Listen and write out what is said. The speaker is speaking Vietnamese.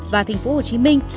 và thành phố hồ chí minh